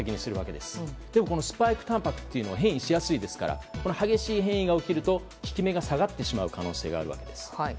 でもこのスパイクたんぱくというのは変異しやすいですから激しい変異が起きると効き目が下がってしまう可能性がある。